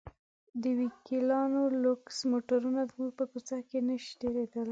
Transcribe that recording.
د وکیلانو لوکس موټرونه زموږ په کوڅه کې نه شي تېرېدلی.